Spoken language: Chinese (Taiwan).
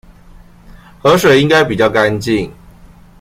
河水應該比較乾淨